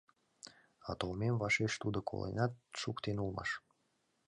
А толмем вашеш тудо коленат шуктен улмаш...